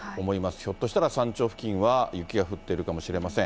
ひょっとしたら、山頂付近は雪が降っているかもしれません。